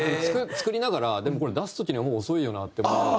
作りながらでもこれ出す時にはもう遅いよなって思いながら。